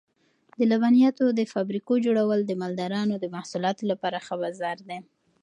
د لبنیاتو د فابریکو جوړول د مالدارانو د محصولاتو لپاره ښه بازار پیدا کوي.